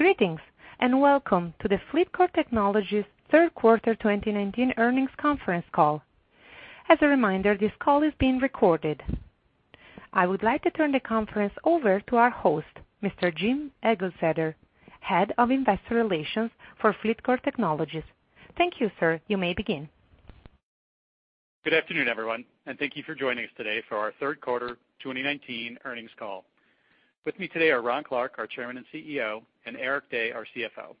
Greetings, and welcome to the FLEETCOR Technologies third quarter 2019 earnings conference call. As a reminder, this call is being recorded. I would like to turn the conference over to our host, Mr. Jim Eglseder, Head of Investor Relations for FLEETCOR Technologies. Thank you, sir. You may begin. Good afternoon, everyone. Thank you for joining us today for our third quarter 2019 earnings call. With me today are Ron Clarke, our Chairman and CEO, and Eric Dey, our CFO.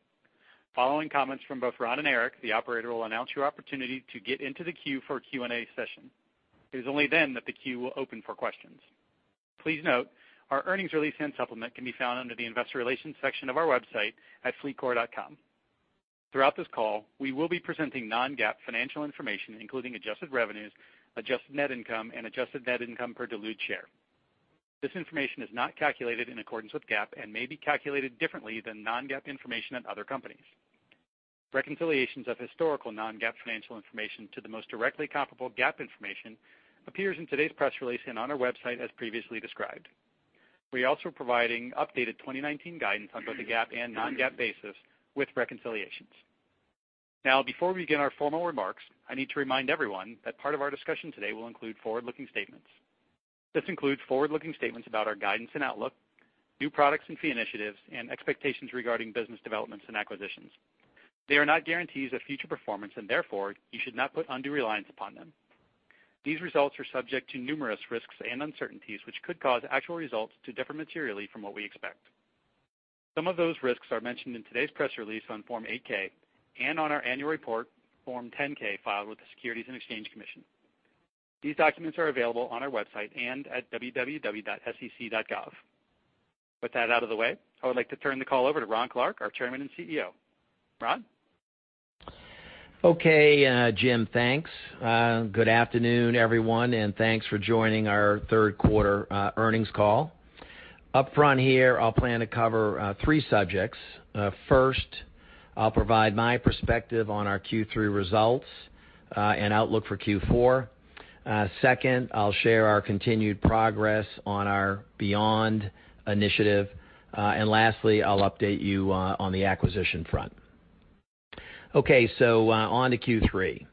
Following comments from both Ron and Eric, the operator will announce your opportunity to get into the queue for a Q&A session. It is only then that the queue will open for questions. Please note, our earnings release and supplement can be found under the investor relations section of our website at fleetcor.com. Throughout this call, we will be presenting non-GAAP financial information, including adjusted revenues, adjusted net income, and adjusted net income per dilute share. This information is not calculated in accordance with GAAP and may be calculated differently than non-GAAP information at other companies. Reconciliations of historical non-GAAP financial information to the most directly comparable GAAP information appears in today's press release and on our website as previously described. We are also providing updated 2019 guidance on both a GAAP and non-GAAP basis with reconciliations. Before we begin our formal remarks, I need to remind everyone that part of our discussion today will include forward-looking statements. This includes forward-looking statements about our guidance and outlook, new products and fee initiatives, and expectations regarding business developments and acquisitions. They are not guarantees of future performance, and therefore, you should not put undue reliance upon them. These results are subject to numerous risks and uncertainties, which could cause actual results to differ materially from what we expect. Some of those risks are mentioned in today's press release on Form 8-K and on our annual report, Form 10-K, filed with the Securities and Exchange Commission. These documents are available on our website and at www.sec.gov. With that out of the way, I would like to turn the call over to Ron Clarke, our Chairman and CEO. Ron? Okay, Jim, thanks. Good afternoon, everyone, and thanks for joining our third-quarter earnings call. Upfront here, I'll plan to cover three subjects. First, I'll provide my perspective on our Q3 results and outlook for Q4. Second, I'll share our continued progress on our Beyond initiative. Lastly, I'll update you on the acquisition front. On to Q3.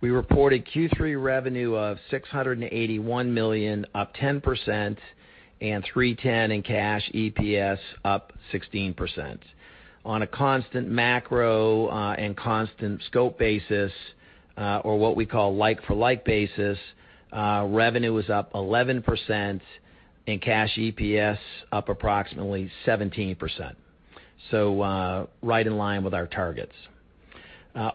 We reported Q3 revenue of $681 million, up 10%, and $310 in cash EPS, up 16%. On a constant macro and constant scope basis, or what we call like-for-like basis, revenue was up 11%, and cash EPS up approximately 17%. Right in line with our targets.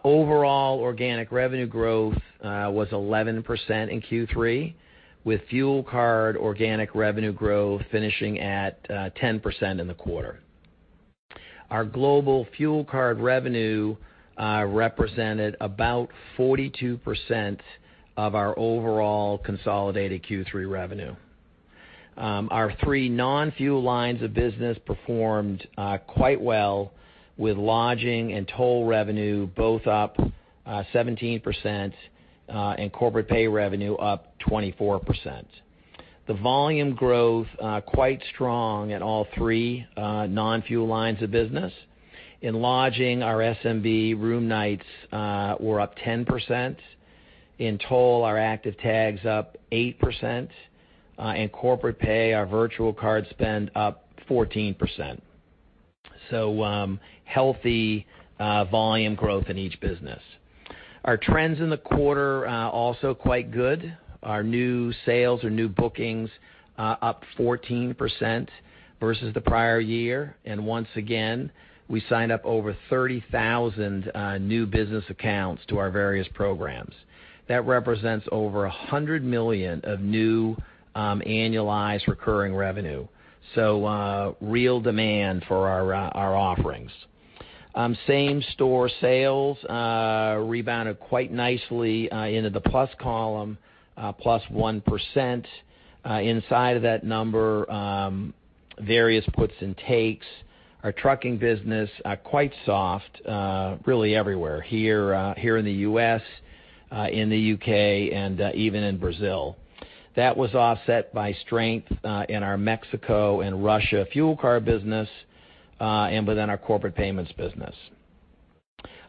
Overall organic revenue growth was 11% in Q3, with fuel card organic revenue growth finishing at 10% in the quarter. Our global fuel card revenue represented about 42% of our overall consolidated Q3 revenue. Our three non-fuel lines of business performed quite well, with lodging and toll revenue both up 17%, and corporate pay revenue up 24%. The volume growth quite strong in all three non-fuel lines of business. In lodging, our SMB room nights were up 10%. In toll, our active tags up 8%. In corporate pay, our virtual card spend up 14%. Healthy volume growth in each business. Our trends in the quarter also quite good. Our new sales or new bookings up 14% versus the prior year. Once again, we signed up over 30,000 new business accounts to our various programs. That represents over $100 million of new annualized recurring revenue. Real demand for our offerings. Same-store sales rebounded quite nicely into the plus column, +1%. Inside of that number various puts and takes. Our trucking business quite soft really everywhere. Here in the U.S., in the U.K., and even in Brazil. That was offset by strength in our Mexico and Russia fuel card business, and within our corporate payments business.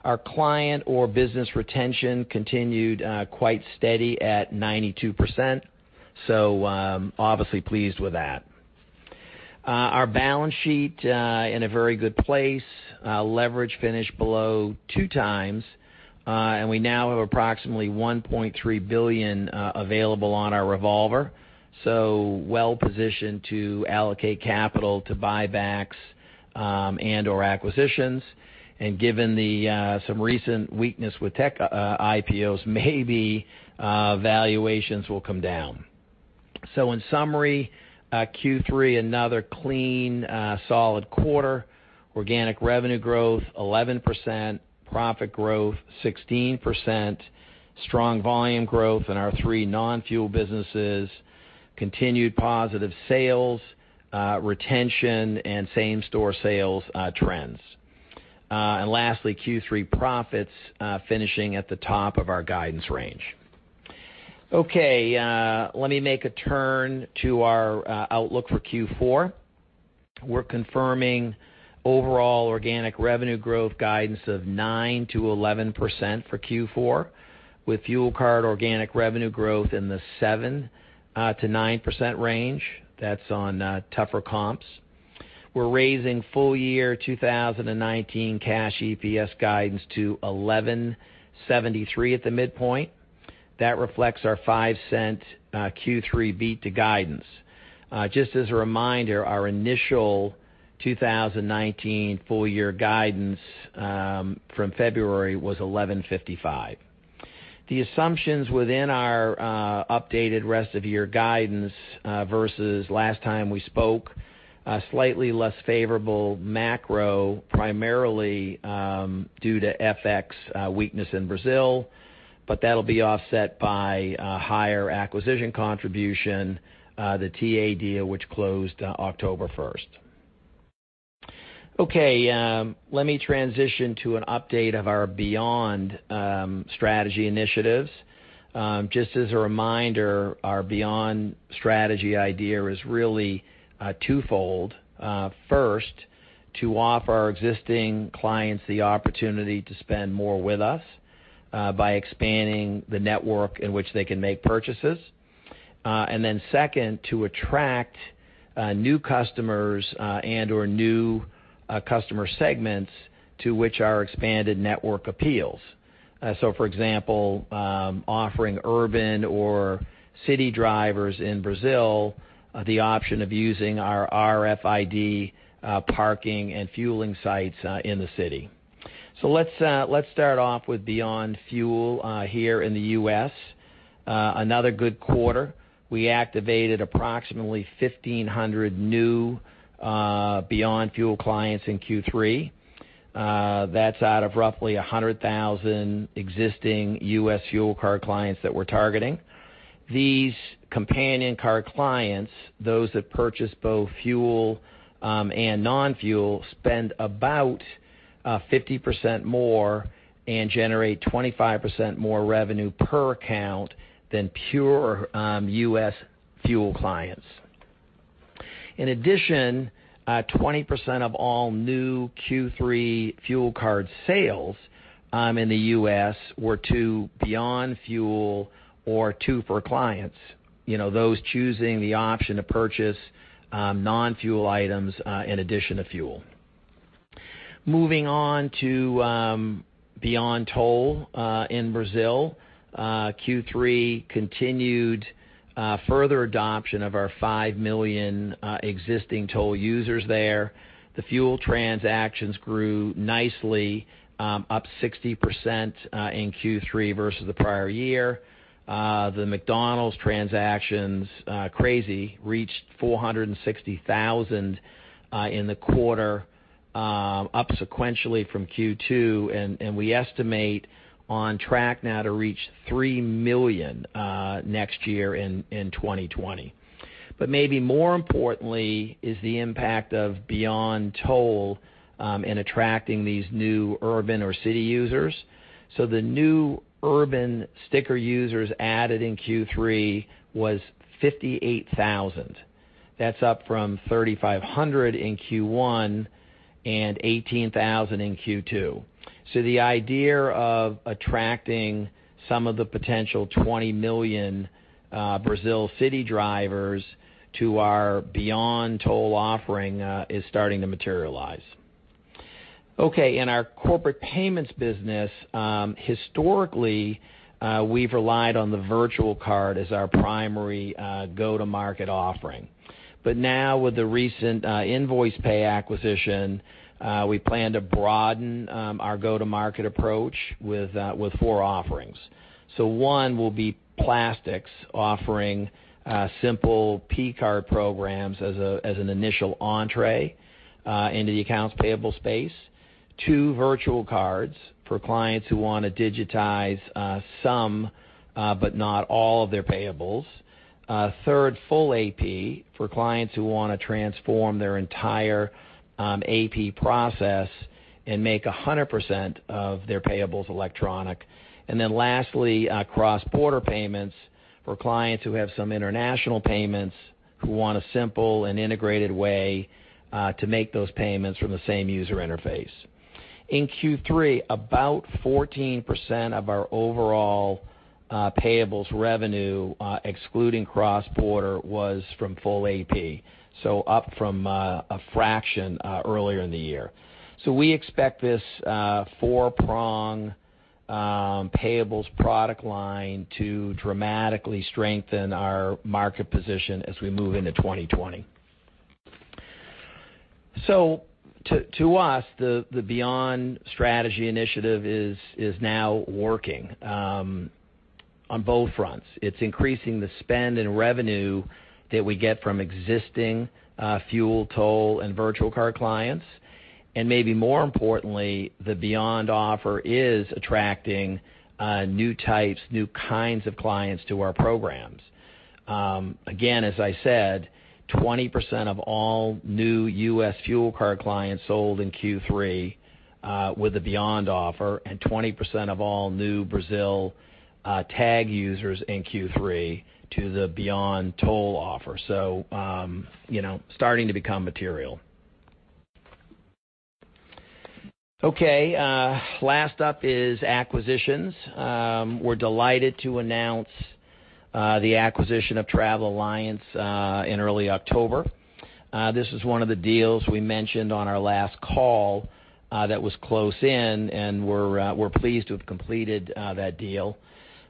Our client or business retention continued quite steady at 92%. Obviously pleased with that. Our balance sheet in a very good place. Leverage finished below 2 times, and we now have approximately $1.3 billion available on our revolver, well-positioned to allocate capital to buybacks and/or acquisitions. Given some recent weakness with tech IPOs, maybe valuations will come down. In summary, Q3, another clean, solid quarter. Organic revenue growth 11%, profit growth 16%, strong volume growth in our three non-fuel businesses, continued positive sales, retention, and same-store sales trends. Lastly, Q3 profits finishing at the top of our guidance range. Okay. Let me make a turn to our outlook for Q4. We're confirming overall organic revenue growth guidance of 9%-11% for Q4, with fuel card organic revenue growth in the 7%-9% range. That's on tougher comps. We're raising full year 2019 cash EPS guidance to $11.73 at the midpoint. That reflects our $0.05 Q3 beat to guidance. Just as a reminder, our initial 2019 full year guidance from February was $11.55. The assumptions within our updated rest of year guidance versus last time we spoke, slightly less favorable macro, primarily due to FX weakness in Brazil. That'll be offset by higher acquisition contribution, the TA deal, which closed October 1st. Okay. Let me transition to an update of our Beyond strategy initiatives. Just as a reminder, our Beyond strategy idea is really twofold. To offer our existing clients the opportunity to spend more with us by expanding the network in which they can make purchases. Second, to attract new customers and/or new customer segments to which our expanded network appeals. For example, offering urban or city drivers in Brazil the option of using our RFID parking and fueling sites in the city. Let's start off with Beyond Fuel here in the U.S. Another good quarter. We activated approximately 1,500 new Beyond Fuel clients in Q3. That's out of roughly 100,000 existing U.S. fuel card clients that we're targeting. These companion card clients, those that purchase both fuel and non-fuel, spend about 50% more and generate 25% more revenue per account than pure U.S. fuel clients. In addition, 20% of all new Q3 fuel card sales in the U.S. were to Beyond Fuel or two for clients. Those choosing the option to purchase non-fuel items in addition to fuel. Moving on to Beyond Toll in Brazil. Q3 continued further adoption of our 5 million existing toll users there. The fuel transactions grew nicely, up 60% in Q3 versus the prior year. The McDonald's transactions, crazy, reached 460,000 in the quarter, up sequentially from Q2, and we estimate on track now to reach 3 million next year in 2020. Maybe more importantly, is the impact of Beyond Toll in attracting these new urban or city users. The new urban sticker users added in Q3 was 58,000. That's up from 3,500 in Q1 and 18,000 in Q2. The idea of attracting some of the potential 20 million Brazil city drivers to our Beyond Toll offering is starting to materialize. In our corporate payments business, historically, we've relied on the virtual card as our primary go-to-market offering. Now with the recent Nvoicepay acquisition, we plan to broaden our go-to-market approach with four offerings. One will be plastics offering simple P-card programs as an initial entrée into the accounts payable space. Two virtual cards for clients who want to digitize some but not all of their payables. Third, full AP for clients who want to transform their entire AP process and make 100% of their payables electronic. Lastly, cross-border payments for clients who have some international payments who want a simple and integrated way to make those payments from the same user interface. In Q3, about 14% of our overall payables revenue, excluding cross-border, was from full AP, so up from a fraction earlier in the year. We expect this four-prong payables product line to dramatically strengthen our market position as we move into 2020. To us, the Beyond strategy initiative is now working on both fronts. It's increasing the spend and revenue that we get from existing fuel, toll, and virtual card clients. Maybe more importantly, the Beyond offer is attracting new types, new kinds of clients to our programs. Again, as I said, 20% of all new U.S. fuel card clients sold in Q3 with a Beyond offer and 20% of all new Brazil tag users in Q3 to the Beyond Toll offer. Starting to become material. Okay. Last up is acquisitions. We're delighted to announce the acquisition of Travelliance in early October. This is one of the deals we mentioned on our last call that was close in, and we're pleased to have completed that deal.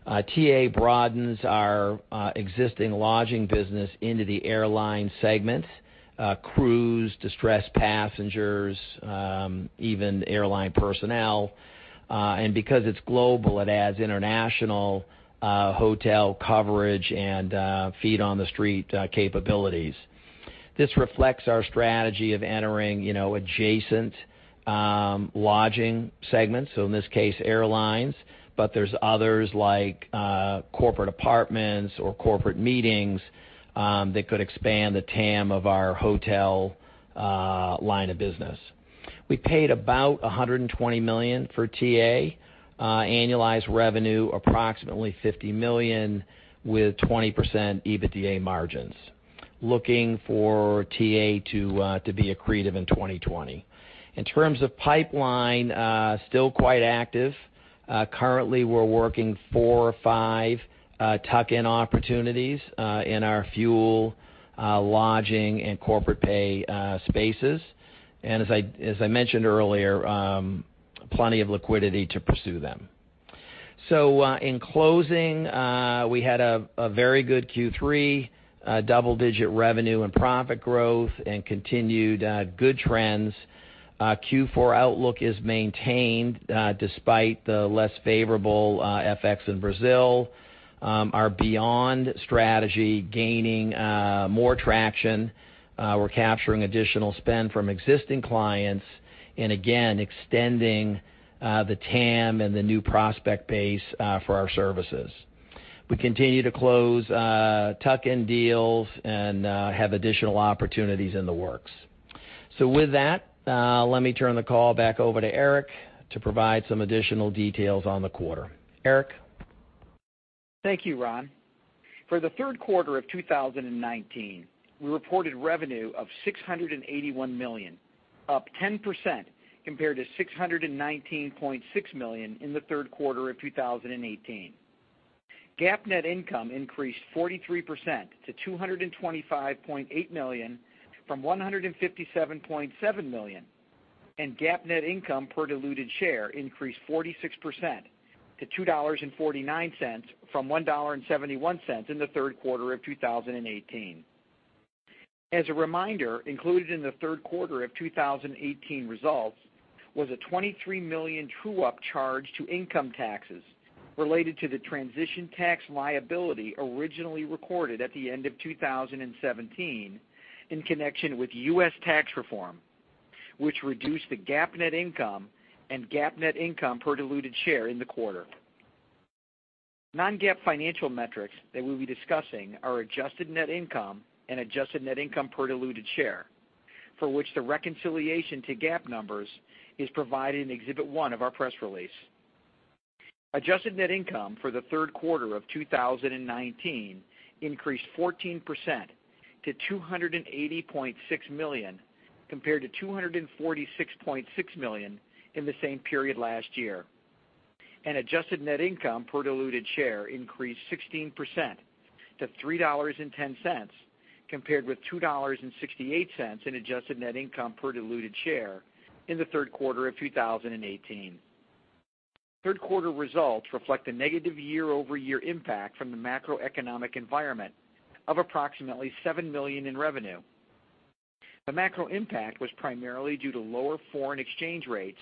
TA broadens our existing lodging business into the airline segment, cruise, distressed passengers, even airline personnel. Because it's global, it adds international hotel coverage and feet on the street capabilities. This reflects our strategy of entering adjacent lodging segments, so in this case, airlines, but there's others like corporate apartments or corporate meetings that could expand the TAM of our hotel line of business. We paid about $120 million for TA, annualized revenue approximately $50 million, with 20% EBITDA margins. Looking for TA to be accretive in 2020. In terms of pipeline, still quite active. Currently, we're working four, five tuck-in opportunities in our fuel, lodging, and corporate pay spaces. As I mentioned earlier, plenty of liquidity to pursue them. In closing, we had a very good Q3, double-digit revenue and profit growth, and continued good trends. Q4 outlook is maintained despite the less favorable FX in Brazil. Our Beyond strategy gaining more traction. We're capturing additional spend from existing clients, and again, extending the TAM and the new prospect base for our services. We continue to close tuck-in deals and have additional opportunities in the works. With that, let me turn the call back over to Eric to provide some additional details on the quarter. Eric? Thank you, Ron. For the third quarter of 2019, we reported revenue of $681 million, up 10% compared to $619.6 million in the third quarter of 2018. GAAP net income increased 43% to $225.8 million from $157.7 million, and GAAP net income per diluted share increased 46% to $2.49 from $1.71 in the third quarter of 2018. As a reminder, included in the third quarter of 2018 results was a $23 million true-up charge to income taxes related to the transition tax liability originally recorded at the end of 2017 in connection with U.S. tax reform, which reduced the GAAP net income and GAAP net income per diluted share in the quarter. Non-GAAP financial metrics that we'll be discussing are adjusted net income and adjusted net income per diluted share, for which the reconciliation to GAAP numbers is provided in Exhibit 1 of our press release. Adjusted net income for the third quarter of 2019 increased 14% to $280.6 million, compared to $246.6 million in the same period last year. Adjusted net income per diluted share increased 16% to $3.10, compared with $2.68 in adjusted net income per diluted share in the third quarter of 2018. Third quarter results reflect a negative year-over-year impact from the macroeconomic environment of approximately $7 million in revenue. The macro impact was primarily due to lower foreign exchange rates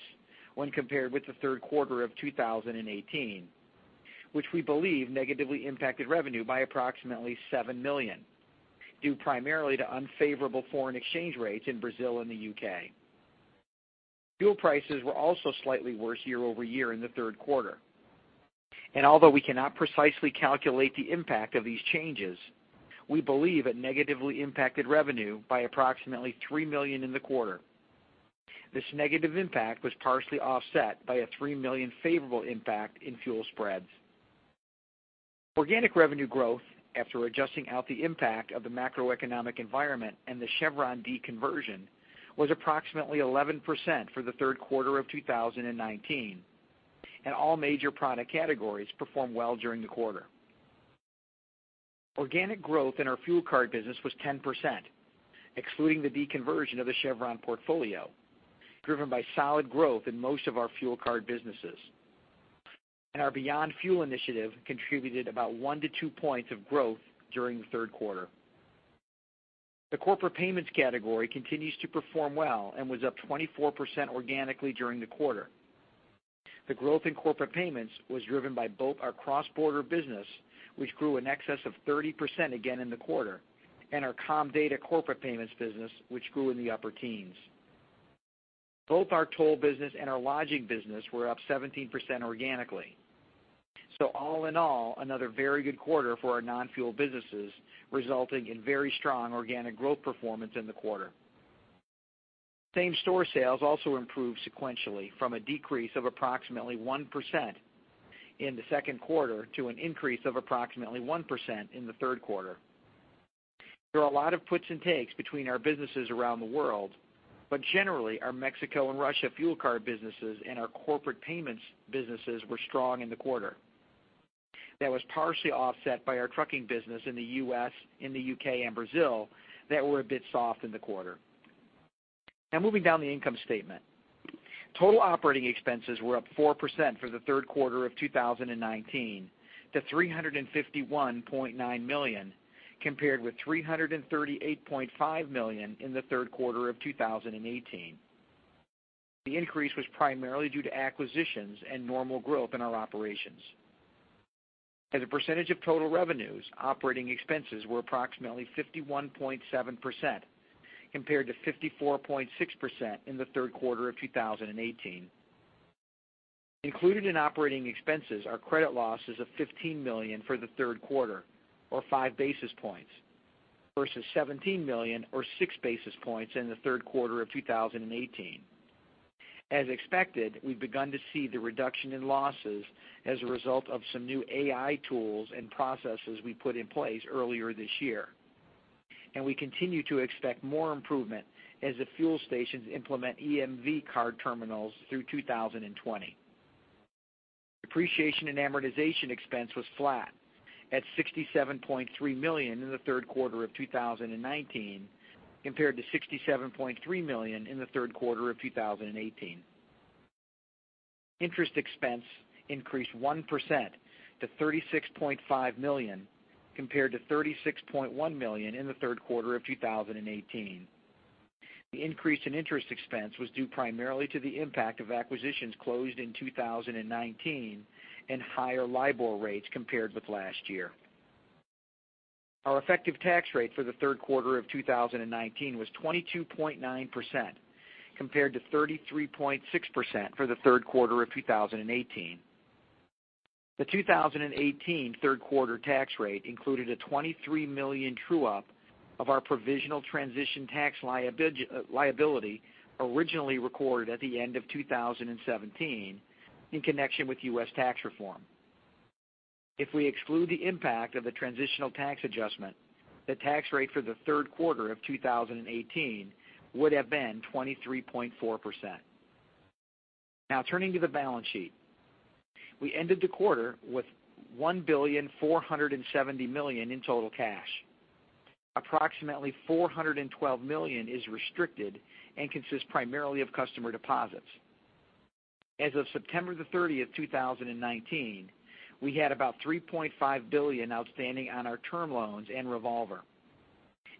when compared with the third quarter of 2018, which we believe negatively impacted revenue by approximately $7 million, due primarily to unfavorable foreign exchange rates in Brazil and the U.K. Fuel prices were also slightly worse year-over-year in the third quarter. Although we cannot precisely calculate the impact of these changes, we believe it negatively impacted revenue by approximately $3 million in the quarter. This negative impact was partially offset by a $3 million favorable impact in fuel spreads. Organic revenue growth, after adjusting out the impact of the macroeconomic environment and the Chevron deconversion, was approximately 11% for the third quarter of 2019, and all major product categories performed well during the quarter. Organic growth in our fuel card business was 10%, excluding the deconversion of the Chevron portfolio, driven by solid growth in most of our fuel card businesses. Our Beyond Fuel initiative contributed about one to two points of growth during the third quarter. The corporate payments category continues to perform well and was up 24% organically during the quarter. The growth in corporate payments was driven by both our cross-border business, which grew in excess of 30% again in the quarter, and our Comdata corporate payments business, which grew in the upper teens. Both our toll business and our lodging business were up 17% organically. All in all, another very good quarter for our non-fuel businesses, resulting in very strong organic growth performance in the quarter. Same-store sales also improved sequentially from a decrease of approximately 1% in the second quarter to an increase of approximately 1% in the third quarter. There are a lot of puts and takes between our businesses around the world, but generally, our Mexico and Russia fuel card businesses and our corporate payments businesses were strong in the quarter. That was partially offset by our trucking business in the U.S., in the U.K., and Brazil that were a bit soft in the quarter. Now moving down the income statement. Total operating expenses were up 4% for the third quarter of 2019 to $351.9 million, compared with $338.5 million in the third quarter of 2018. The increase was primarily due to acquisitions and normal growth in our operations. As a percentage of total revenues, operating expenses were approximately 51.7%, compared to 54.6% in the third quarter of 2018. Included in operating expenses are credit losses of $15 million for the third quarter or five basis points versus $17 million or six basis points in the third quarter of 2018. As expected, we've begun to see the reduction in losses as a result of some new AI tools and processes we put in place earlier this year. We continue to expect more improvement as the fuel stations implement EMV card terminals through 2020. Depreciation and amortization expense was flat at $67.3 million in the third quarter of 2019, compared to $67.3 million in the third quarter of 2018. Interest expense increased 1% to $36.5 million, compared to $36.1 million in the third quarter of 2018. The increase in interest expense was due primarily to the impact of acquisitions closed in 2019 and higher LIBOR rates compared with last year. Our effective tax rate for the third quarter of 2019 was 22.9%, compared to 33.6% for the third quarter of 2018. The 2018 third-quarter tax rate included a $23 million true-up of our provisional transition tax liability originally recorded at the end of 2017 in connection with U.S. tax reform. If we exclude the impact of the transitional tax adjustment, the tax rate for the third quarter of 2018 would have been 23.4%. Now turning to the balance sheet. We ended the quarter with $1.47 billion in total cash. Approximately $412 million is restricted and consists primarily of customer deposits. As of September the 30th, 2019, we had about $3.5 billion outstanding on our term loans and revolver,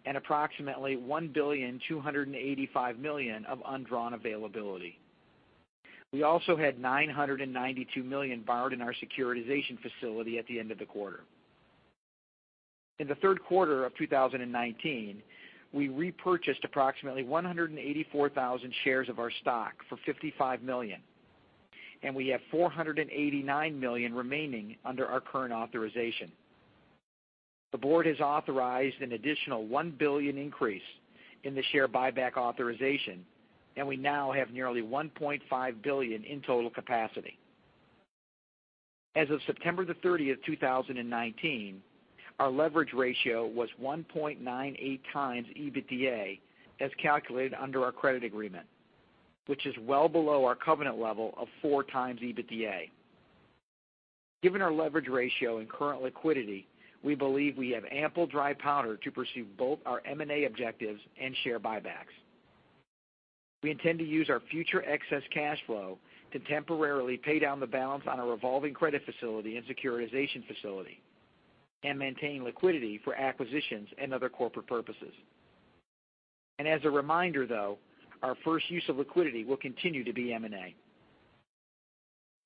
and approximately $1.285 billion of undrawn availability. We also had $992 million borrowed in our securitization facility at the end of the quarter. In the third quarter of 2019, we repurchased approximately 184,000 shares of our stock for $55 million, and we have $489 million remaining under our current authorization. The board has authorized an additional $1 billion increase in the share buyback authorization, and we now have nearly $1.5 billion in total capacity. As of September the 30th, 2019, our leverage ratio was 1.98 times EBITDA as calculated under our credit agreement, which is well below our covenant level of 4 times EBITDA. Given our leverage ratio and current liquidity, we believe we have ample dry powder to pursue both our M&A objectives and share buybacks. We intend to use our future excess cash flow to temporarily pay down the balance on our revolving credit facility and securitization facility and maintain liquidity for acquisitions and other corporate purposes. As a reminder, though, our first use of liquidity will continue to be M&A.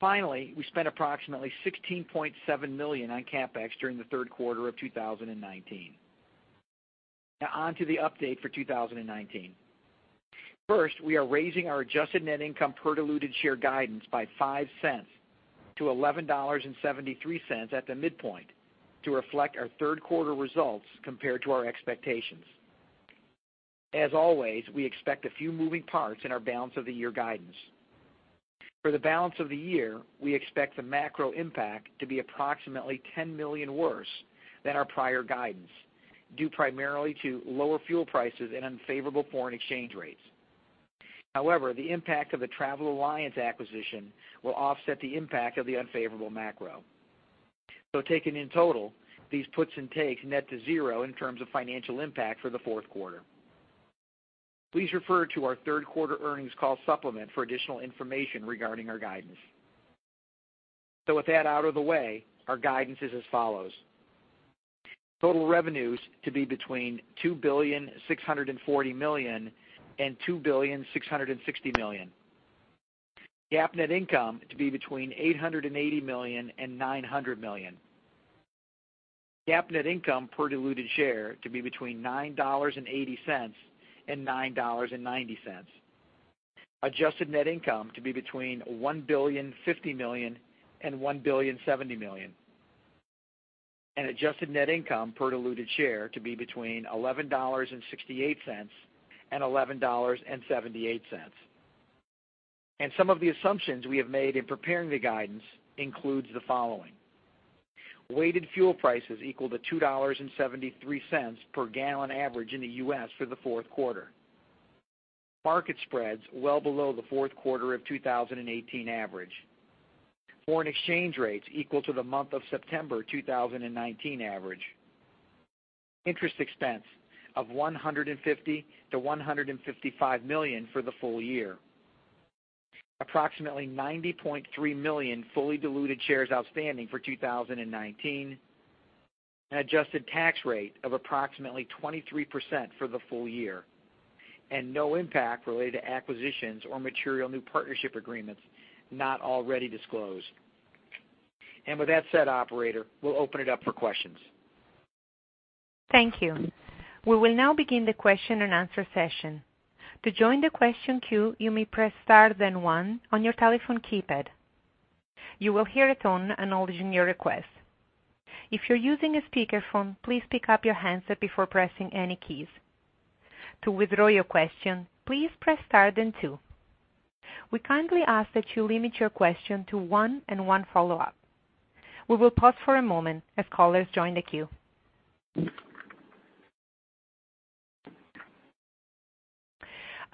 Finally, we spent approximately $16.7 million on CapEx during the third quarter of 2019. On to the update for 2019. First, we are raising our adjusted net income per diluted share guidance by $0.05 to $11.73 at the midpoint to reflect our third-quarter results compared to our expectations. As always, we expect a few moving parts in our balance of the year guidance. For the balance of the year, we expect the macro impact to be approximately $10 million worse than our prior guidance, due primarily to lower fuel prices and unfavorable foreign exchange rates. The impact of the Travelliance acquisition will offset the impact of the unfavorable macro. Taken in total, these puts and takes net to zero in terms of financial impact for the fourth quarter. Please refer to our third-quarter earnings call supplement for additional information regarding our guidance. With that out of the way, our guidance is as follows. Total revenues to be between $2.64 billion and $2.66 billion. GAAP net income to be between $880 million and $900 million. GAAP net income per diluted share to be between $9.80 and $9.90. Adjusted net income to be between $1.05 billion and $1.07 billion. Adjusted net income per diluted share to be between $11.68 and $11.78. Some of the assumptions we have made in preparing the guidance includes the following. Weighted fuel prices equal to $2.73 per gallon average in the U.S. for the fourth quarter. Market spreads well below the fourth quarter of 2018 average. Foreign exchange rates equal to the month of September 2019 average. Interest expense of $150 million-$155 million for the full year. Approximately 90.3 million fully diluted shares outstanding for 2019. An adjusted tax rate of approximately 23% for the full year, and no impact related to acquisitions or material new partnership agreements not already disclosed. With that said, operator, we'll open it up for questions. Thank you. We will now begin the question and answer session. To join the question queue, you may press star then one on your telephone keypad. You will hear a tone acknowledging your request. If you're using a speakerphone, please pick up your handset before pressing any keys. To withdraw your question, please press star then two. We kindly ask that you limit your question to one and one follow-up. We will pause for a moment as callers join the queue.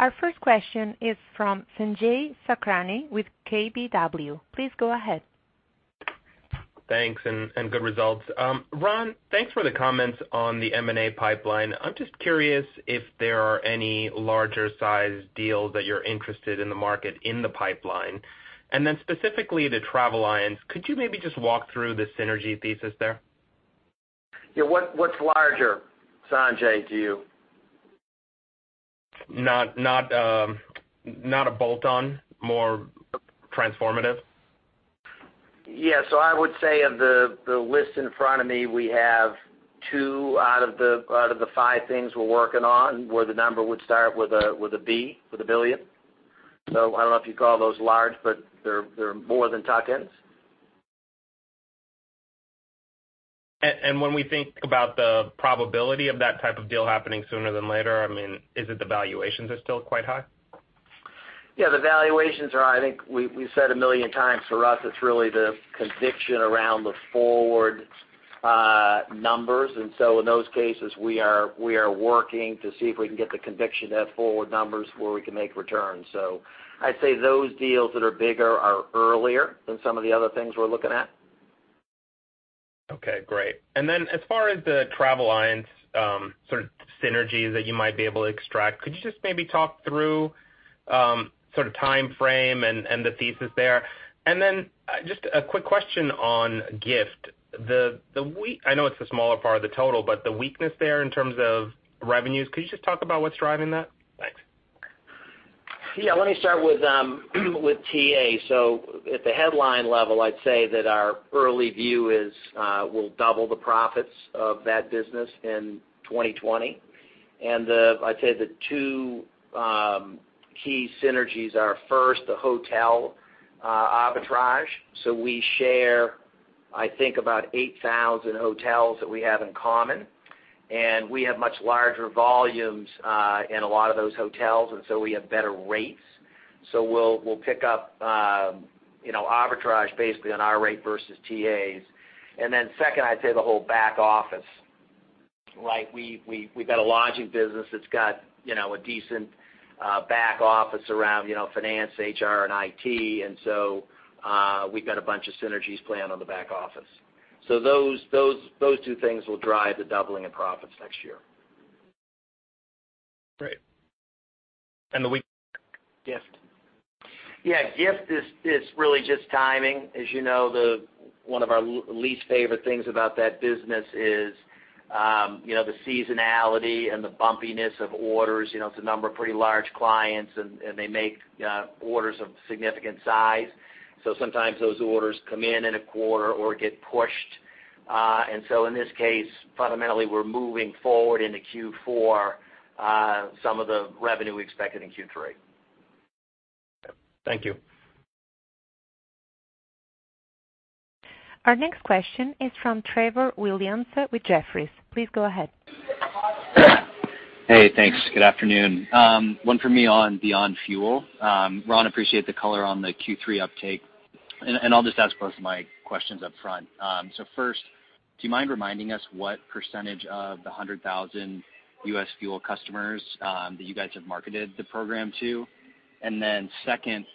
Our first question is from Sanjay Sakhrani with KBW. Please go ahead. Thanks, and good results. Ron, thanks for the comments on the M&A pipeline. I'm just curious if there are any larger size deals that you're interested in the market in the pipeline. Specifically the Travelliance, could you maybe just walk through the synergy thesis there? Yeah, what's larger, Sanjay, to you? Not a bolt-on, more transformative. Yeah. I would say of the list in front of me, we have two out of the five things we're working on where the number would start with a B, with a billion. I don't know if you'd call those large, but they're more than tuck-ins. When we think about the probability of that type of deal happening sooner than later, is it the valuations are still quite high? Yeah, the valuations are, I think we've said a million times, for us, it's really the conviction around the forward numbers. In those cases, we are working to see if we can get the conviction to have forward numbers where we can make returns. I'd say those deals that are bigger are earlier than some of the other things we're looking at. Okay, great. As far as the Travelliance sort of synergies that you might be able to extract, could you just maybe talk through sort of timeframe and the thesis there? Just a quick question on Gift. I know it's a smaller part of the total, but the weakness there in terms of revenues, could you just talk about what's driving that? Thanks. Yeah, let me start with TA. At the headline level, I'd say that our early view is we'll double the profits of that business in 2020. I'd say the two key synergies are first, the hotel arbitrage. We share I think about 8,000 hotels that we have in common, and we have much larger volumes in a lot of those hotels, we have better rates. We'll pick up arbitrage basically on our rate versus TA's. Second, I'd say the whole back office. We've got a lodging business that's got a decent back office around finance, HR, and IT. We've got a bunch of synergies planned on the back office. Those two things will drive the doubling of profits next year. Great. The weakness at Gift? Yeah. Gift is really just timing. As you know, one of our least favorite things about that business is the seasonality and the bumpiness of orders. It's a number of pretty large clients, and they make orders of significant size. Sometimes those orders come in in a quarter or get pushed. In this case, fundamentally, we're moving forward into Q4 some of the revenue we expected in Q3. Thank you. Our next question is from Trevor Williams with Jefferies. Please go ahead. Hey, thanks. Good afternoon. One from me on Beyond Fuel. Ron, appreciate the color on the Q3 uptake. I'll just ask both of my questions upfront. First, do you mind reminding us what % of the 100,000 U.S. fuel customers that you guys have marketed the program to? Second,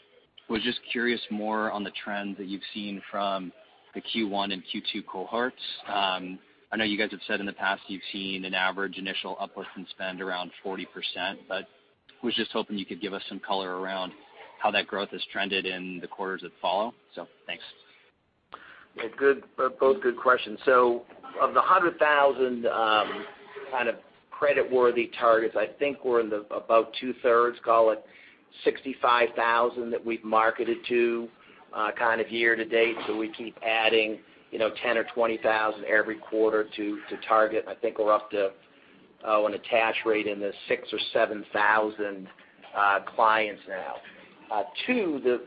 was just curious more on the trends that you've seen from the Q1 and Q2 cohorts. I know you guys have said in the past you've seen an average initial uplift in spend around 40%, was just hoping you could give us some color around how that growth has trended in the quarters that follow. Thanks. Yeah, both good questions. Of the 100,000 Kind of creditworthy targets. I think we're in the above two-thirds, call it 65,000 that we've marketed to year-to-date. We keep adding 10,000 or 20,000 every quarter to target. I think we're up to an attach rate in the 6,000 or 7,000 clients now. Two,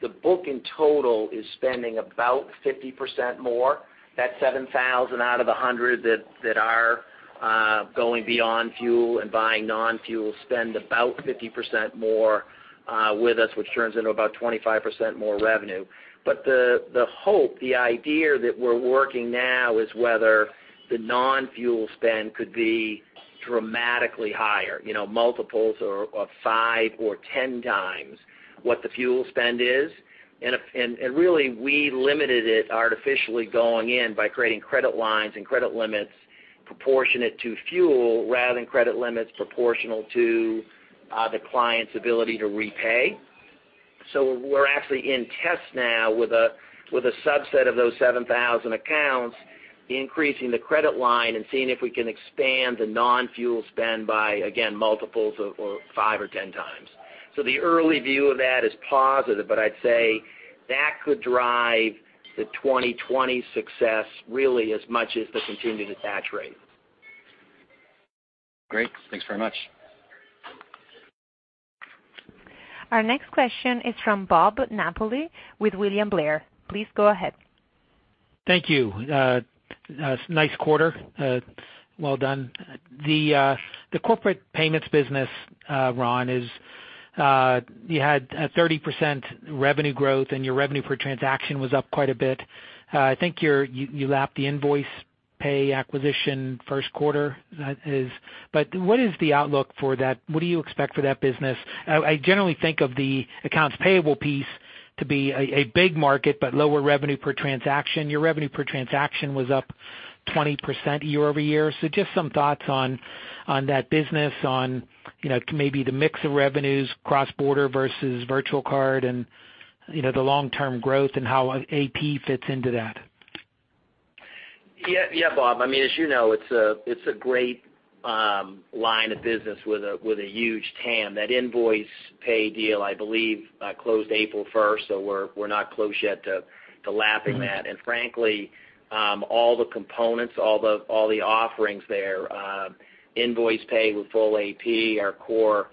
the book in total is spending about 50% more. That 7,000 out of 100,000 that are going Beyond Fuel and buying non-fuel spend about 50% more with us, which turns into about 25% more revenue. The hope, the idea that we're working now is whether the non-fuel spend could be dramatically higher, multiples of five or 10 times what the fuel spend is. Really, we limited it artificially going in by creating credit lines and credit limits proportionate to fuel rather than credit limits proportional to the client's ability to repay. We're actually in test now with a subset of those 7,000 accounts, increasing the credit line and seeing if we can expand the non-fuel spend by, again, multiples of five or 10 times. The early view of that is positive, but I'd say that could drive the 2020 success really as much as the continued attach rate. Great. Thanks very much. Our next question is from Bob Napoli with William Blair. Please go ahead. Thank you. Nice quarter. Well done. The corporate payments business, Ron, you had a 30% revenue growth, and your revenue per transaction was up quite a bit. I think you lapped the Nvoicepay acquisition first quarter. What is the outlook for that? What do you expect for that business? I generally think of the accounts payable piece to be a big market, but lower revenue per transaction. Your revenue per transaction was up 20% year-over-year. Just some thoughts on that business on maybe the mix of revenues, cross-border versus virtual card, and the long-term growth and how AP fits into that. Yeah, Bob. As you know, it's a great line of business with a huge TAM. That Nvoicepay deal, I believe, closed April 1st, so we're not close yet to lapping that. Frankly, all the components, all the offerings there, Nvoicepay with full AP, our core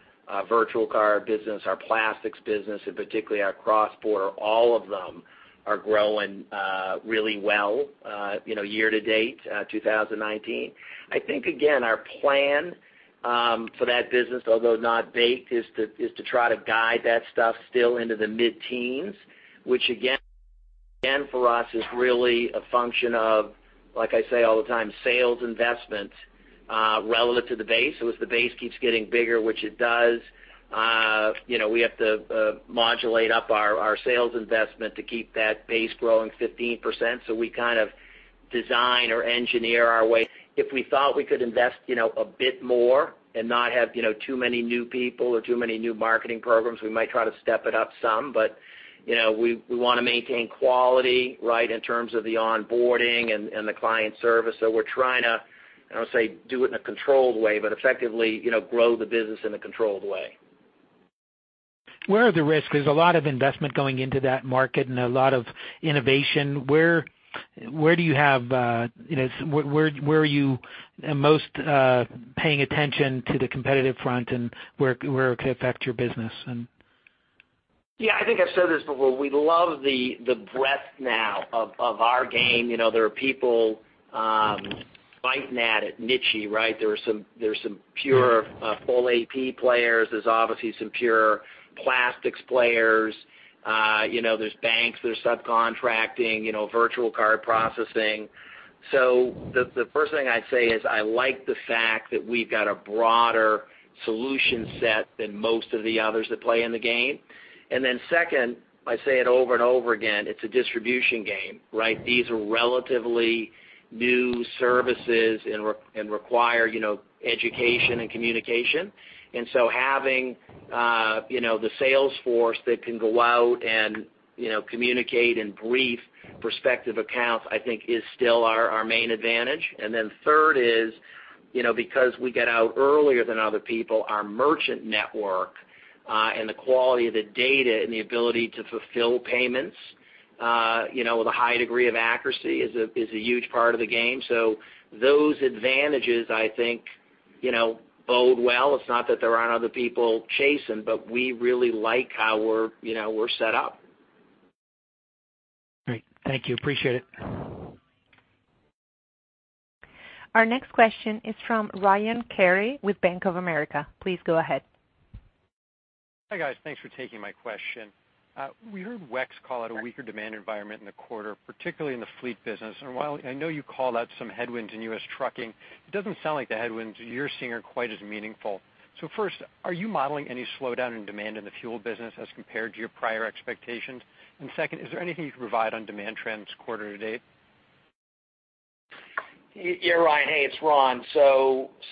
virtual card business, our plastics business, and particularly our cross-border, all of them are growing really well year to date, 2019. I think, again, our plan for that business, although not baked, is to try to guide that stuff still into the mid-teens, which again, for us is really a function of, like I say all the time, sales investment relative to the base. As the base keeps getting bigger, which it does we have to modulate up our sales investment to keep that base growing 15%. We kind of design or engineer our way. If we thought we could invest a bit more and not have too many new people or too many new marketing programs, we might try to step it up some. We want to maintain quality, right, in terms of the onboarding and the client service. We're trying to, I don't want to say do it in a controlled way, but effectively grow the business in a controlled way. Where are the risks? There's a lot of investment going into that market and a lot of innovation. Where are you most paying attention to the competitive front and where it could affect your business? Yeah, I think I've said this before. We love the breadth now of our game. There are people biting at it, niche, right? There are some pure full AP players. There's obviously some pure plastics players. There's banks that are subcontracting virtual card processing. The first thing I'd say is I like the fact that we've got a broader solution set than most of the others that play in the game. Second, I say it over and over again, it's a distribution game, right? These are relatively new services and require education and communication. Having the sales force that can go out and communicate and brief prospective accounts, I think is still our main advantage. Third is because we get out earlier than other people, our merchant network and the quality of the data and the ability to fulfill payments with a high degree of accuracy is a huge part of the game. Those advantages, I think, bode well. It's not that there aren't other people chasing, but we really like how we're set up. Great. Thank you. Appreciate it. Our next question is from Ryan Cary with Bank of America. Please go ahead. Hi, guys. Thanks for taking my question. We heard WEX call it a weaker demand environment in the quarter, particularly in the fleet business. While I know you called out some headwinds in U.S. trucking, it doesn't sound like the headwinds you're seeing are quite as meaningful. First, are you modeling any slowdown in demand in the fuel business as compared to your prior expectations? Second, is there anything you can provide on demand trends quarter to date? Yeah, Ryan. Hey, it's Ron.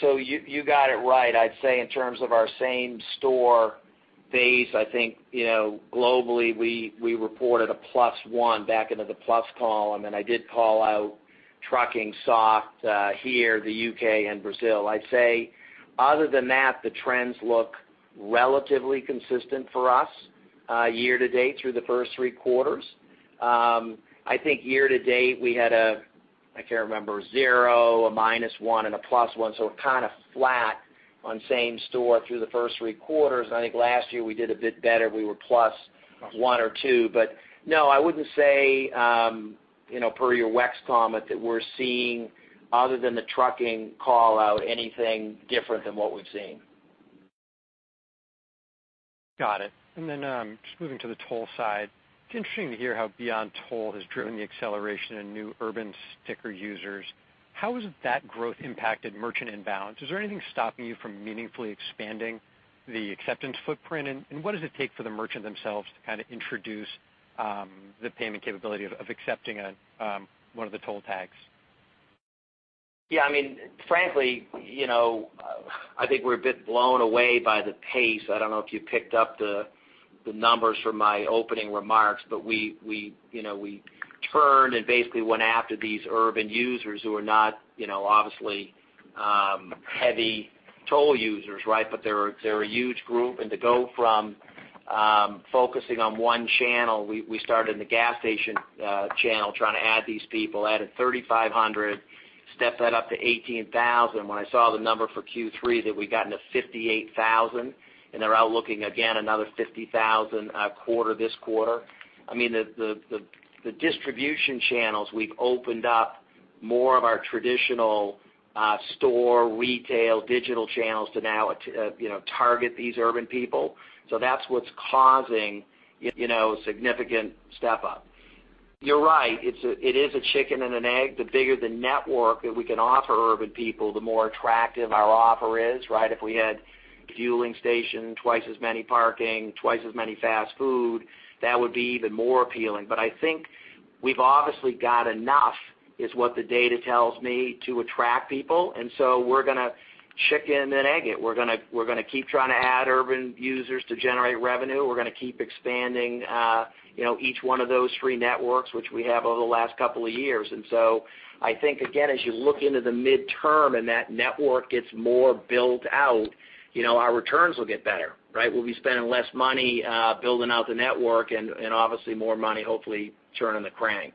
You got it right. I'd say in terms of our same store base, I think, globally, we reported a +1 back into the + column. I did call out trucking soft here, the U.K., and Brazil. I'd say other than that, the trends look relatively consistent for us year-to-date through the first three quarters. I think year-to-date we had, I can't remember, a zero, a -1, and a +1, kind of flat on same store through the first three quarters. I think last year we did a bit better. We were +1 or +2. No, I wouldn't say, per your WEX comment, that we're seeing, other than the trucking call-out, anything different than what we've seen. Got it. Just moving to the toll side, it's interesting to hear how Beyond Toll has driven the acceleration in new urban sticker users. How has that growth impacted merchant imbalance? Is there anything stopping you from meaningfully expanding the acceptance footprint? What does it take for the merchant themselves to introduce the payment capability of accepting one of the toll tags? Frankly, I think we're a bit blown away by the pace. I don't know if you picked up the numbers from my opening remarks, but we turned and basically went after these urban users who are not, obviously, heavy toll users, but they're a huge group. To go from focusing on one channel, we started in the gas station channel trying to add these people, added 3,500, stepped that up to 18,000. I saw the number for Q3 that we'd gotten to 58,000, and they're out looking, again, another 50,000 this quarter. The distribution channels, we've opened up more of our traditional store, retail, digital channels to now target these urban people. That's what's causing significant step up. You're right, it is a chicken and an egg. The bigger the network that we can offer urban people, the more attractive our offer is. If we had fueling station, twice as many parking, twice as many fast food, that would be even more appealing. I think we've obviously got enough, is what the data tells me, to attract people. We're going to chicken and egg it. We're going to keep trying to add urban users to generate revenue. We're going to keep expanding each one of those three networks, which we have over the last couple of years. I think, again, as you look into the midterm and that network gets more built out, our returns will get better. We'll be spending less money building out the network and obviously more money, hopefully, turning the crank.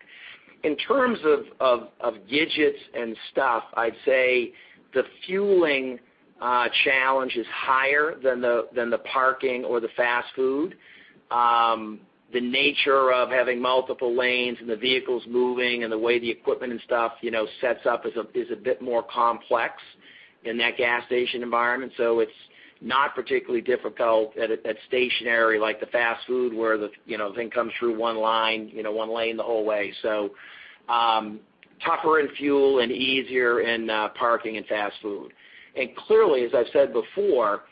In terms of gidgets and stuff, I'd say the fueling challenge is higher than the parking or the fast food. The nature of having multiple lanes and the vehicles moving and the way the equipment and stuff sets up is a bit more complex in that gas station environment. It's not particularly difficult at stationary, like the fast food, where the thing comes through one line, one lane the whole way. Tougher in fuel and easier in parking and fast food. Clearly, as I've said before,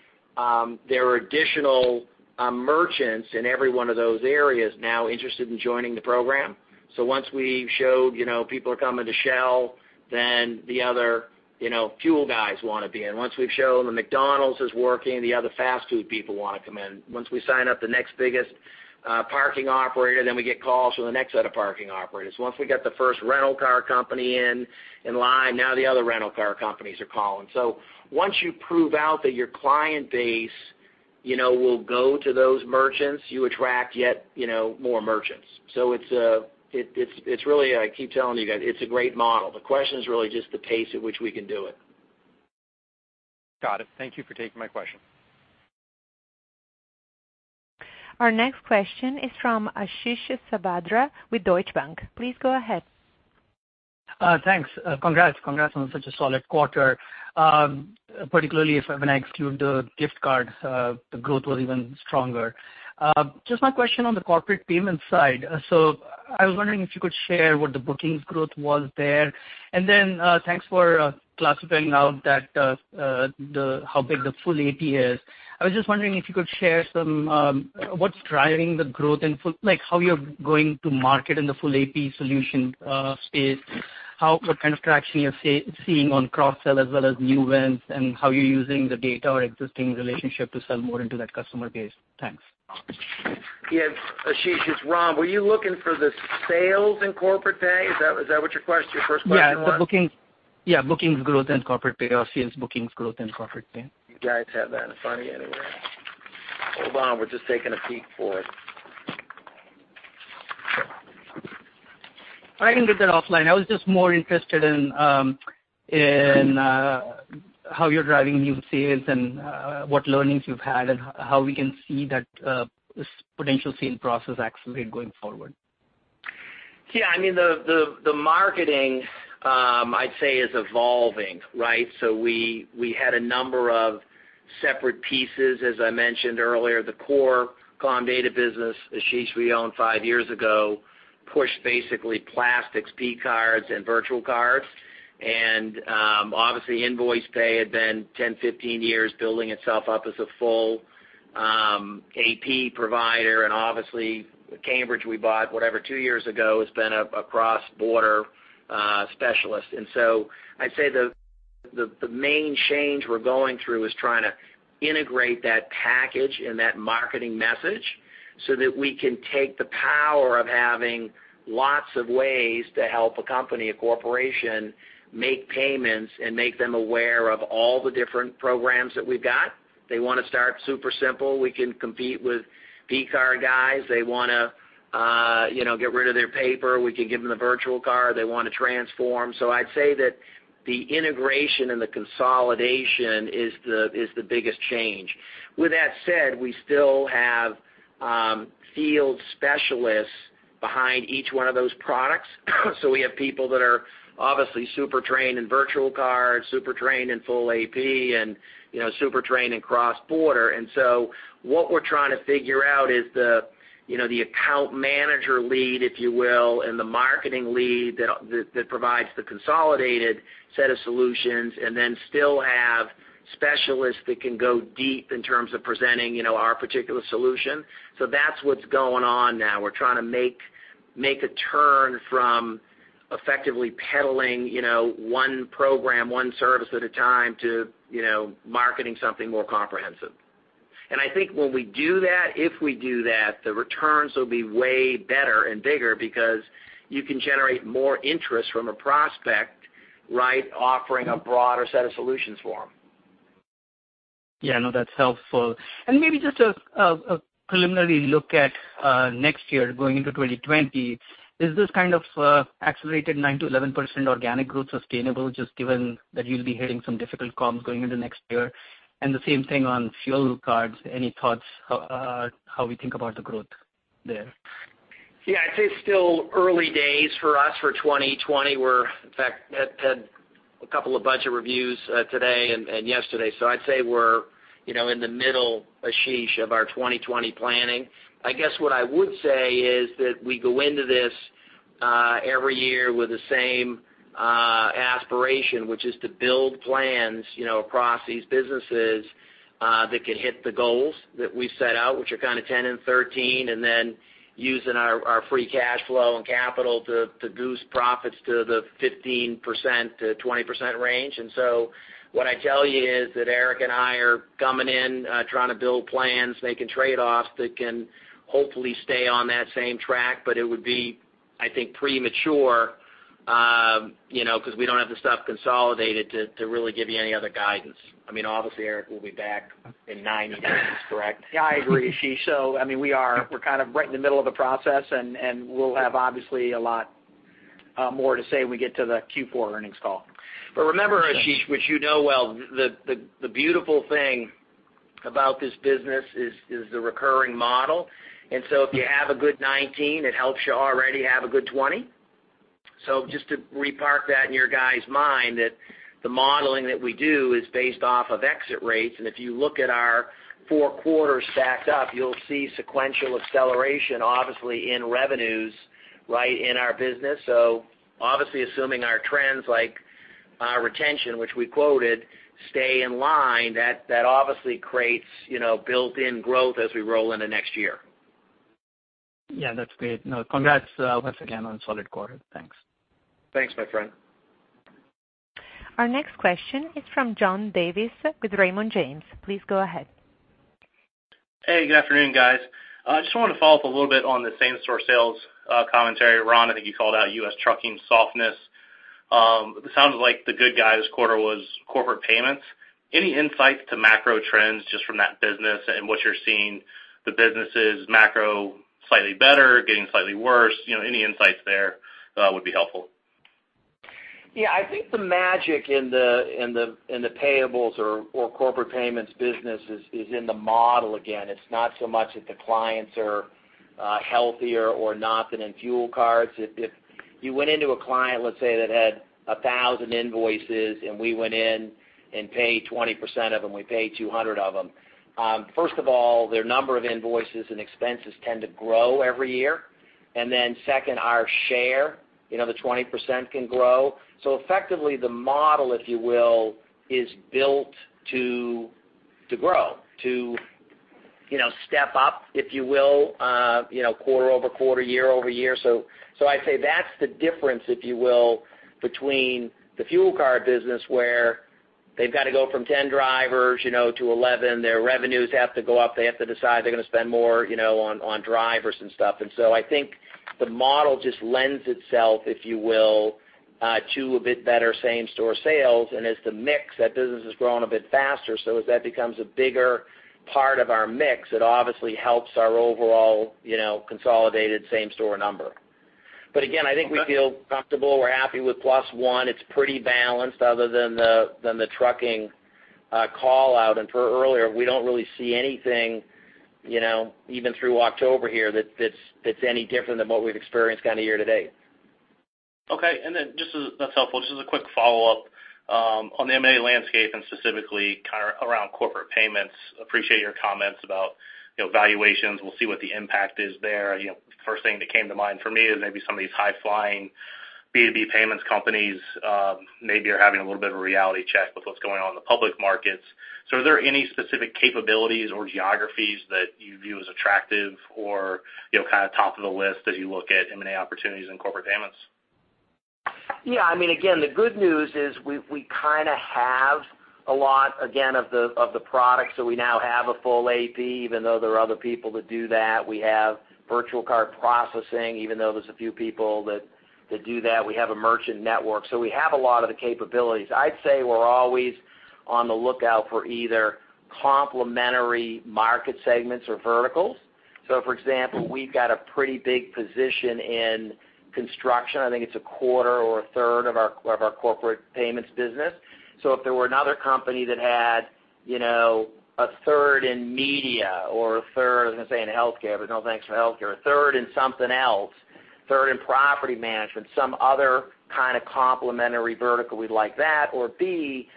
there are additional merchants in every one of those areas now interested in joining the program. Once we've showed people are coming to Shell, then the other fuel guys want to be in. Once we've shown the McDonald's is working, the other fast food people want to come in. Once we sign up the next biggest parking operator, then we get calls from the next set of parking operators. Once we got the first rental car company in line, now the other rental car companies are calling. Once you prove out that your client base will go to those merchants, you attract yet more merchants. I keep telling you guys, it's a great model. The question is really just the pace at which we can do it. Got it. Thank you for taking my question. Our next question is from Ashish Sabadra with Deutsche Bank. Please go ahead. Thanks. Congrats on such a solid quarter. Particularly when I exclude the Gift cards, the growth was even stronger. Just my question on the corporate payment side. I was wondering if you could share what the bookings growth was there. Thanks for classifying out how big the full AP is. I was just wondering if you could share what's driving the growth and how you're going to market in the full AP solution space, what kind of traction you're seeing on cross-sell as well as new wins, and how you're using the data or existing relationship to sell more into that customer base? Thanks. Yeah. Ashish, it's Ron. Were you looking for the sales in corporate pay? Is that what your first question was? Yeah, bookings growth in corporate pay or sales bookings growth in corporate pay. You guys have that in front of you anywhere? Hold on, we're just taking a peek for it. I can get that offline. I was just more interested in how you're driving new sales and what learnings you've had and how we can see that this potential sales process accelerate going forward. Yeah. The marketing, I'd say, is evolving. We had a number of separate pieces, as I mentioned earlier. The core Comdata business, Ashish, we owned five years ago, pushed basically plastics, P-cards, and virtual cards. Obviously Nvoicepay had been 10, 15 years building itself up as a full AP provider. Obviously Cambridge, we bought, whatever, two years ago, has been a cross-border specialist. I'd say the main change we're going through is trying to integrate that package and that marketing message so that we can take the power of having lots of ways to help a company, a corporation, make payments and make them aware of all the different programs that we've got. They want to start super simple, we can compete with P-card guys. They want to get rid of their paper, we can give them the virtual card. They want to transform. I'd say that the integration and the consolidation is the biggest change. With that said, we still have field specialists behind each one of those products. We have people that are obviously super trained in virtual card, super trained in full AP, and super trained in cross-border. What we're trying to figure out is the account manager lead, if you will, and the marketing lead that provides the consolidated set of solutions, and then still have specialists that can go deep in terms of presenting our particular solution. That's what's going on now. We're trying to make a turn from effectively peddling one program, one service at a time, to marketing something more comprehensive. I think when we do that, if we do that, the returns will be way better and bigger because you can generate more interest from a prospect, right, offering a broader set of solutions for them. Yeah, no, that's helpful. Maybe just a preliminary look at next year, going into 2020. Is this kind of accelerated 9%-11% organic growth sustainable, just given that you'll be hitting some difficult comps going into next year? The same thing on fuel cards. Any thoughts how we think about the growth there? Yeah, I'd say it's still early days for us for 2020. We're, in fact, had a couple of budget reviews today and yesterday. I'd say we're in the middle, Ashish, of our 2020 planning. I guess what I would say is that we go into this every year with the same aspiration, which is to build plans across these businesses that can hit the goals that we set out, which are kind of 10 and 13, and then using our free cash flow and capital to goose profits to the 15%-20% range. What I tell you is that Eric and I are coming in, trying to build plans, making trade-offs that can hopefully stay on that same track. It would be, I think, premature because we don't have the stuff consolidated to really give you any other guidance. Obviously Eric will be back in 1999, correct? Yeah, I agree, Ashish. We're kind of right in the middle of the process, and we'll have obviously a lot more to say when we get to the Q4 earnings call. Remember, Ashish, which you know well, the beautiful thing about this business is the recurring model. If you have a good 2019, it helps you already have a good 2020. Just to re-park that in your guys' mind, that the modeling that we do is based off of exit rates, and if you look at our four quarters stacked up, you'll see sequential acceleration, obviously, in revenues right in our business. Obviously assuming our trends like our retention, which we quoted, stay in line, that obviously creates built-in growth as we roll into next year. Yeah, that's great. No, congrats once again on a solid quarter. Thanks. Thanks, my friend. Our next question is from John Davis with Raymond James. Please go ahead. Hey, good afternoon, guys. I just wanted to follow up a little bit on the same-store sales commentary. Ron, I think you called out U.S. trucking softness. It sounds like the good guide this quarter was corporate payments. Any insight to macro trends just from that business and what you're seeing the businesses macro slightly better, getting slightly worse? Any insights there would be helpful. Yeah, I think the magic in the payables or corporate payments business is in the model, again. It's not so much that the clients are healthier or not than in fuel cards. If you went into a client, let's say, that had 1,000 invoices, and we went in and paid 20% of them, we paid 200 of them. First of all, their number of invoices and expenses tend to grow every year. Then second, our share, the 20% can grow. Effectively, the model, if you will, is built to grow, to step up, if you will, quarter-over-quarter, year-over-year. I'd say that's the difference, if you will, between the fuel card business where they've got to go from 10 drivers to 11. Their revenues have to go up. They have to decide they're going to spend more on drivers and stuff. I think the model just lends itself, if you will, to a bit better same-store sales, and as the mix, that business has grown a bit faster. As that becomes a bigger part of our mix, it obviously helps our overall consolidated same-store number. Again, I think we feel comfortable. We're happy with +1. It's pretty balanced other than the trucking call-out. Per earlier, we don't really see anything even through October here that's any different than what we've experienced kind of year to date. Okay. That's helpful. Just as a quick follow-up on the M&A landscape and specifically kind of around corporate payments, appreciate your comments about valuations. We'll see what the impact is there. First thing that came to mind for me is maybe some of these high-flying B2B payments companies maybe are having a little bit of a reality check what's going on in the public markets. Are there any specific capabilities or geographies that you view as attractive or top of the list as you look at M&A opportunities in corporate payments? Again, the good news is we have a lot of the products. We now have a full AP, even though there are other people that do that. We have virtual card processing, even though there's a few people that do that. We have a merchant network. We have a lot of the capabilities. I'd say we're always on the lookout for either complimentary market segments or verticals. For example, we've got a pretty big position in construction. I think it's a quarter or a third of our corporate payments business. If there were another company that had a third in media or a third, I was going to say in healthcare, no thanks for healthcare. A third in something else, a third in property management, some other kind of complimentary vertical, we'd like that. B,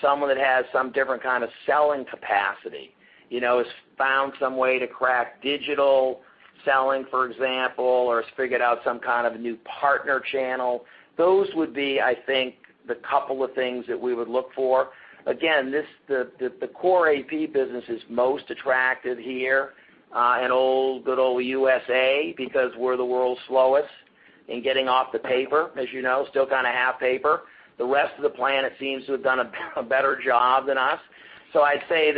someone that has some different kind of selling capacity. Has found some way to crack digital selling, for example, or has figured out some kind of a new partner channel. Those would be, I think, the couple of things that we would look for. Again, the core AP business is most attractive here, in old good old U.S., because we're the world's slowest in getting off the paper, as you know, still kind of half paper. The rest of the planet seems to have done a better job than us. I'd say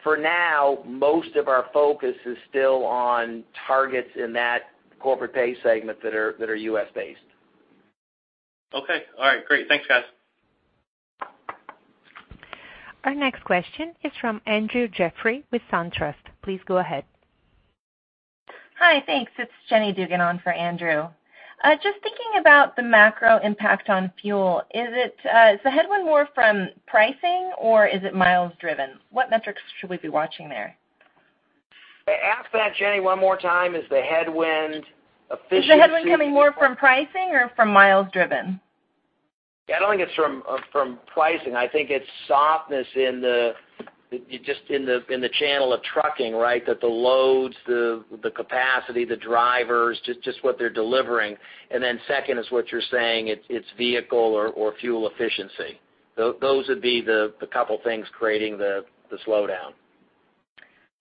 that for now, most of our focus is still on targets in that Corpay segment that are U.S.-based. Okay. All right. Great. Thanks, guys. Our next question is from Andrew Jeffrey with SunTrust. Please go ahead. Hi. Thanks. It's Jenny Dugan on for Andrew. Just thinking about the macro impact on fuel. Is the headwind more from pricing, or is it miles driven? What metrics should we be watching there? Ask that, Jenny, one more time. Is the headwind efficiency- Is the headwind coming more from pricing or from miles driven? I don't think it's from pricing. I think it's softness in the channel of trucking, right. That the loads, the capacity, the drivers, just what they're delivering. Second is what you're saying, it's vehicle or fuel efficiency. Those would be the couple things creating the slowdown.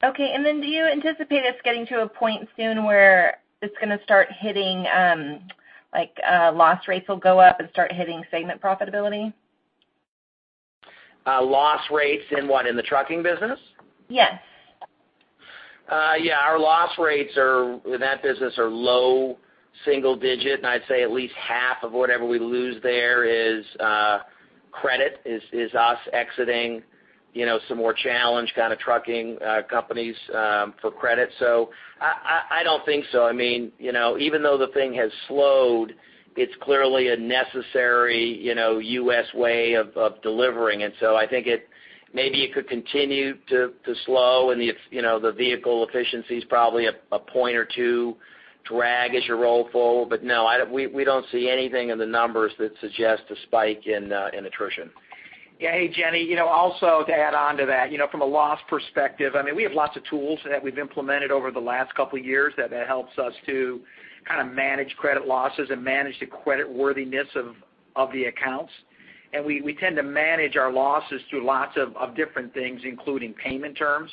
Okay. Do you anticipate this getting to a point soon where it's going to start hitting, like loss rates will go up and start hitting segment profitability? Loss rates in what? In the trucking business? Yes. Yeah. Our loss rates in that business are low single digit, I'd say at least half of whatever we lose there is credit, is us exiting some more challenged kind of trucking companies for credit. I don't think so. Even though the thing has slowed, it's clearly a necessary U.S. way of delivering it. I think maybe it could continue to slow, and the vehicle efficiency's probably a point or two drag as you roll forward. No, we don't see anything in the numbers that suggests a spike in attrition. Yeah. Jenny, also to add onto that, from a loss perspective, we have lots of tools that we've implemented over the last couple of years that helps us to kind of manage credit losses and manage the creditworthiness of the accounts. We tend to manage our losses through lots of different things, including payment terms.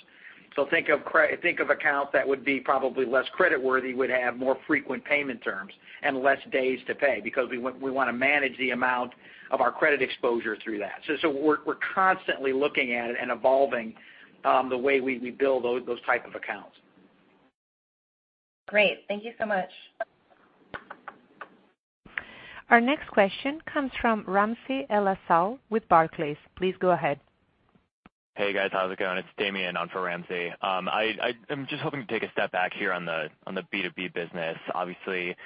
Think of accounts that would be probably less creditworthy, would have more frequent payment terms and less days to pay, because we want to manage the amount of our credit exposure through that. We're constantly looking at it and evolving the way we bill those type of accounts. Great. Thank you so much. Our next question comes from Ramsey El-Assal with Barclays. Please go ahead. Hey, guys. How's it going? It's Damian on for Ramsey. I'm just hoping to take a step back here on the B2B business. Obviously,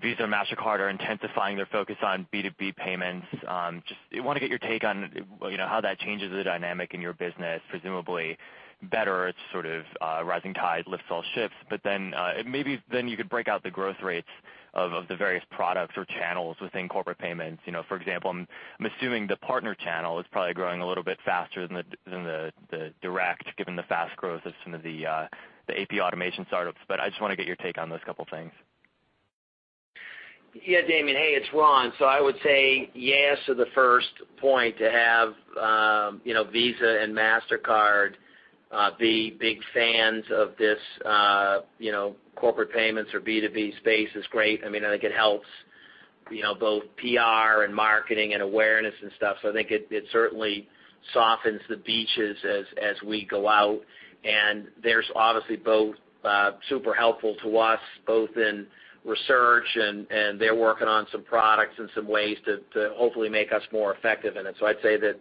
Visa and Mastercard are intensifying their focus on B2B payments. Just want to get your take on how that changes the dynamic in your business, presumably better. It's sort of a rising tide lifts all ships. Maybe then you could break out the growth rates of the various products or channels within corporate payments. For example, I'm assuming the partner channel is probably growing a little bit faster than the direct, given the fast growth of some of the AP automation startups. I just want to get your take on those couple things. Yeah, Damian. Hey, it's Ron. I would say yes to the first point, to have Visa and Mastercard be big fans of this corporate payments or B2B space is great. I think it helps both PR and marketing and awareness and stuff. I think it certainly softens the beaches as we go out, and they're obviously both super helpful to us, both in research, and they're working on some products and some ways to hopefully make us more effective in it. I'd say that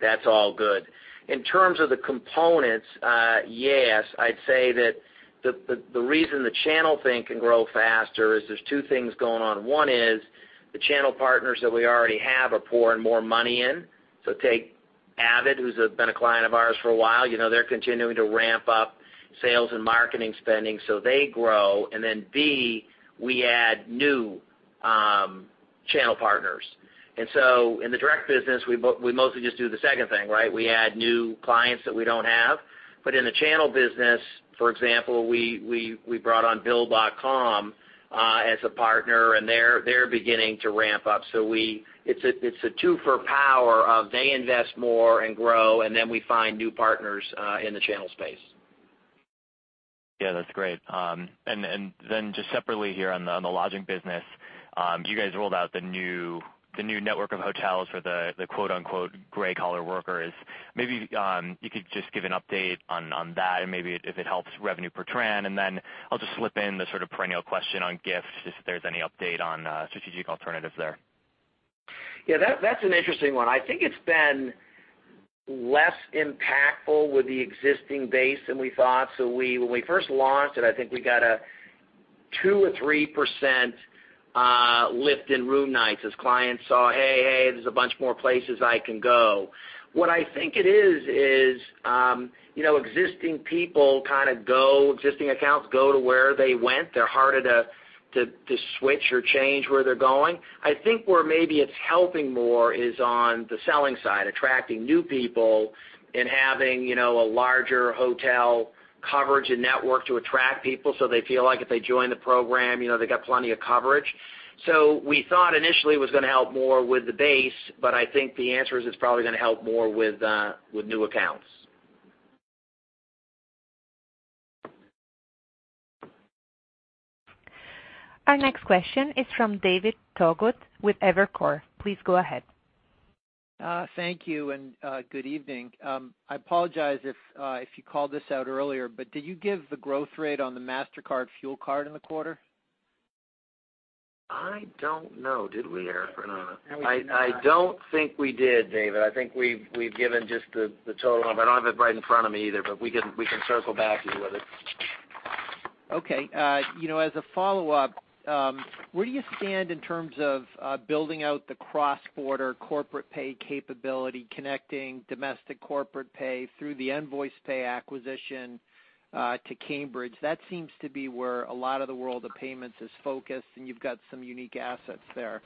that's all good. In terms of the components, yes. I'd say that the reason the channel thing can grow faster is there's two things going on. One is the channel partners that we already have are pouring more money in. Take AvidXchange, who's been a client of ours for a while. They're continuing to ramp up sales and marketing spending so they grow, and then B, we add new channel partners. In the direct business, we mostly just do the second thing, right? We add new clients that we don't have. In the channel business, for example, we brought on Bill.com as a partner, and they're beginning to ramp up. It's a two for power of they invest more and grow, and then we find new partners in the channel space. Yeah, that's great. Just separately here on the lodging business, you guys rolled out the new network of hotels for the gray-collar workers. Maybe you could just give an update on that and maybe if it helps revenue per tran, and then I'll just slip in the sort of perennial question on Gift, just if there's any update on strategic alternatives there. Yeah, that's an interesting one. I think it's been less impactful with the existing base than we thought. When we first launched it, I think we got a 2% or 3% lift in room nights as clients saw, "Hey, there's a bunch more places I can go." What I think it is, existing accounts go to where they went. They're harder to switch or change where they're going. I think where maybe it's helping more is on the selling side, attracting new people and having a larger hotel coverage and network to attract people so they feel like if they join the program, they got plenty of coverage. We thought initially it was going to help more with the base, but I think the answer is it's probably going to help more with new accounts. Our next question is from David Togut with Evercore. Please go ahead. Thank you, and good evening. I apologize if you called this out earlier, but did you give the growth rate on the Mastercard fuel card in the quarter? I don't know. Did we, Fernando? I don't think we did, David. I think we've given just the total. I don't have it right in front of me either, but we can circle back to you with it. Okay. As a follow-up, where do you stand in terms of building out the cross-border corporate pay capability, connecting domestic corporate pay through the Nvoicepay acquisition to Cambridge? That seems to be where a lot of the world of payments is focused, and you've got some unique assets there.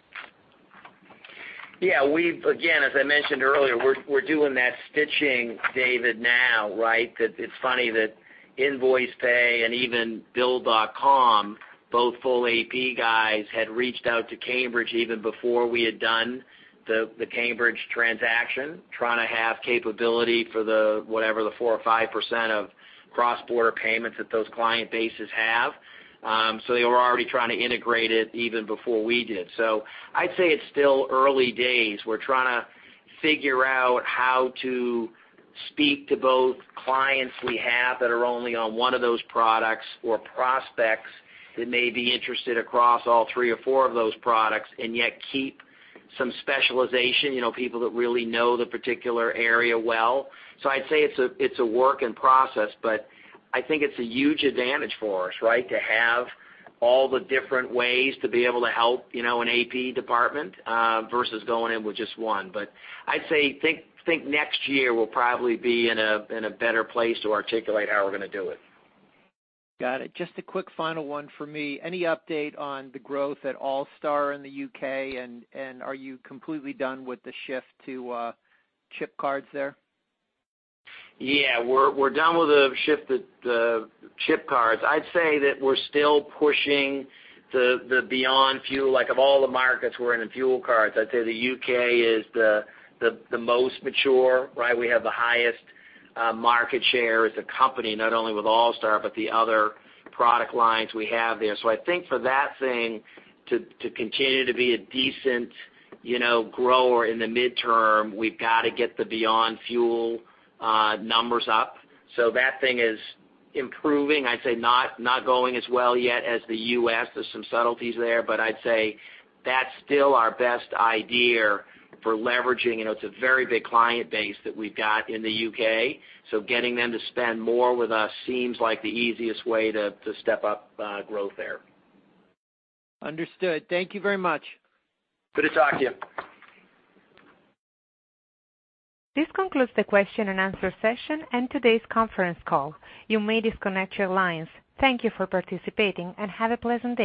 Yeah. Again, as I mentioned earlier, we're doing that stitching, David, now, right? That it's funny that Nvoicepay and even Bill.com, both full AP guys, had reached out to Cambridge even before we had done the Cambridge transaction, trying to have capability for the, whatever the 4% or 5% of cross-border payments that those client bases have. They were already trying to integrate it even before we did. I'd say it's still early days. We're trying to figure out how to speak to both clients we have that are only on one of those products or prospects that may be interested across all 3 or 4 of those products, and yet keep some specialization, people that really know the particular area well. I'd say it's a work in process, but I think it's a huge advantage for us, right? To have all the different ways to be able to help an AP department versus going in with just one. I'd say, think next year we'll probably be in a better place to articulate how we're going to do it. Got it. Just a quick final one for me. Any update on the growth at Allstar in the U.K.? Are you completely done with the shift to chip cards there? Yeah, we're done with the shift to chip cards. I'd say that we're still pushing the Beyond Fuel. Like of all the markets we're in the fuel cards, I'd say the U.K. is the most mature. We have the highest market share as a company, not only with AllStar, but the other product lines we have there. I think for that thing to continue to be a decent grower in the midterm, we've got to get the Beyond Fuel numbers up. That thing is improving. I'd say not going as well yet as the U.S. There's some subtleties there, but I'd say that's still our best idea for leveraging. It's a very big client base that we've got in the U.K., so getting them to spend more with us seems like the easiest way to step up growth there. Understood. Thank you very much. Good to talk to you. This concludes the question and answer session and today's conference call. You may disconnect your lines. Thank you for participating and have a pleasant day.